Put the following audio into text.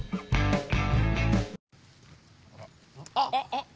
あっ！